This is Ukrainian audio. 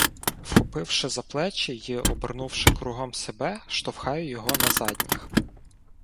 Вхопивши за плечі й обернувши кругом себе, штовхаю його на задніх.